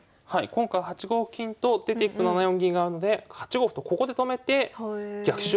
今回８五金と出ていくと７四銀があるので８五歩とここで止めてあっ